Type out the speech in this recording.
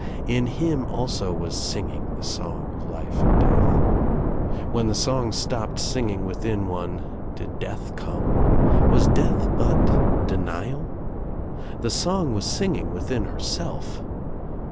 In him also was singing the song of life and death. When the song stopped singing within one did death come? Was death but denial? The song was singing within herself.